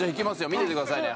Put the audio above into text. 見ててくださいね